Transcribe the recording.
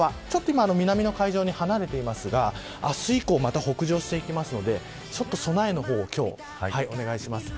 今、南の海上に離れていますが明日以降、また北上しますので備えの方、今日お願いします。